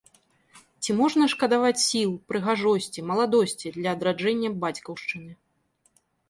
Ці можна шкадаваць сіл, прыгажосці, маладосці для адраджэння бацькаўшчыны?